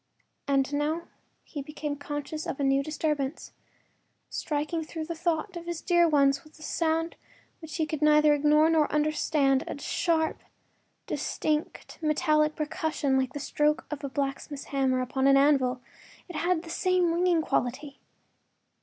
And now he became conscious of a new disturbance. Striking through the thought of his dear ones was sound which he could neither ignore nor understand, a sharp, distinct, metallic percussion like the stroke of a blacksmith’s hammer upon the anvil; it had the same ringing quality.